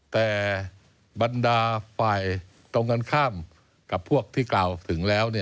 แต่บรรดาฝ่ายตรงกันข้ามกับพวกที่กล่าวถึงแล้ว